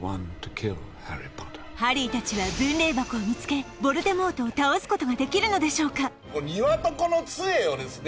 ハリーたちは分霊箱を見つけヴォルデモートを倒すことができるのでしょうか